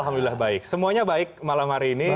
alhamdulillah baik semuanya baik malam hari ini